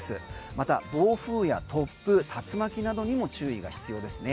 また暴風や突風、竜巻などにも注意が必要ですね。